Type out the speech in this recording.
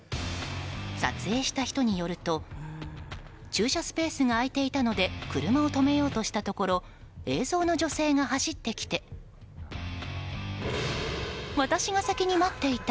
撮影した人によると駐車スペースが空いていたので車を止めようとしたところ映像の女性が走ってきて私が先に待っていた！